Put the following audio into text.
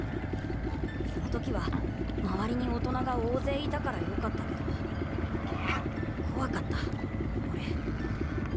そのときは周りに大人が大勢いたからよかったけど怖かった俺